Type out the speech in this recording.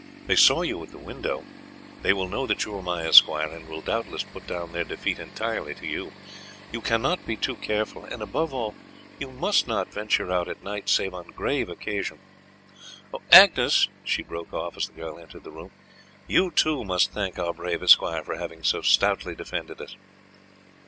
They saw you at the window, they will know that you are my esquire, and will doubtless put down their defeat entirely to you. You cannot be too careful, and, above all, you must not venture out at night save on grave occasion. Agnes," she broke off as the girl entered the room, "you too must thank our brave esquire for having so stoutly defended us."